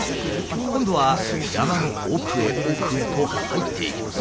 今度は山の奥へ奥へと入っていきます。